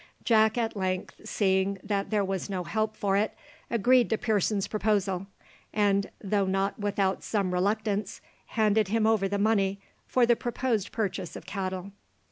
Jack at length, seeing that there was no help for it, agreed to Pearson's proposal, and, though not without some reluctance, handed him over the money for the proposed purchase of cattle.